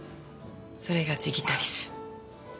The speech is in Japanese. それがジギタリス。